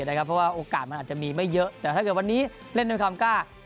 เพราะว่าโอกาสมันอาจจะมีไม่เยอะแต่ถ้าเกิดวันนี้เล่นด้วยความกล้า